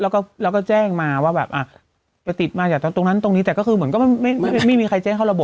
ก็อาจหาเรื่องถึงแล้ว